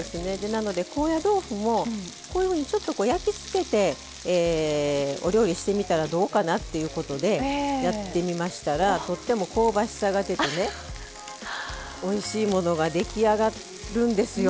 なので高野豆腐もこういうふうにちょっと焼き付けてお料理してみたらどうかなっていうことでやってみましたらとっても香ばしさが出てねおいしいものが出来上がるんですよ。